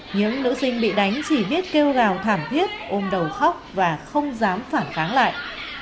những nữ sinh bị đánh chỉ biết kêu gào thảm thiết ôm đầu khóc và không dám phản kháng lại